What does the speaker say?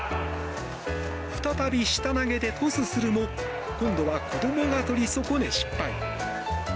再び下投げでトスするも今度は子どもがとり損ね失敗。